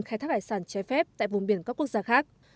khai thác hải sản trái phép tại vùng biển các quốc gia khác